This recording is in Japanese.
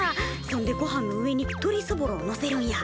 そんでごはんの上にとりそぼろをのせるんや。